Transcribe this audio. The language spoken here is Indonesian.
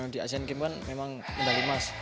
di asian games kan memang medali emas